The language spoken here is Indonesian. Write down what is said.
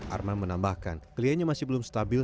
arman menambahkan kliennya masih belum stabil